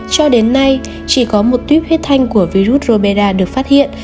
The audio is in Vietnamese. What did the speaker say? cho đến nay chỉ có một tuyếp huyết thanh của virus roberda được phát hiện